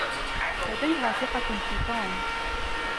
لديها ثقة في توم.